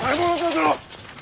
殿！